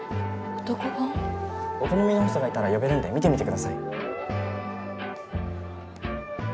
お好みのホストがいたら呼べるんで見てみてください。